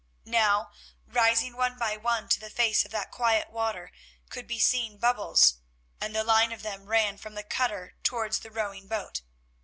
Now, rising one by one to the face of that quiet water, could be seen bubbles, and the line of them ran from the cutter towards the rowing boat.